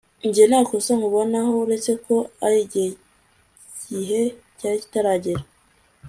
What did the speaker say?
njye ntakosa nkubonaho uretse ko ari igihe cyari kitaragera